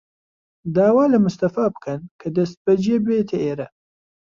داوا لە مستەفا بکەن کە دەستبەجێ بێتە ئێرە.